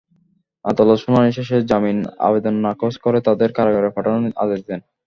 আদালত শুনানি শেষে জামিন আবেদন নাকচ করে তাঁদের কারাগারে পাঠানোর আদেশ দেন।